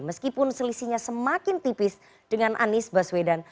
meskipun selisihnya semakin tipis dengan anies baswedan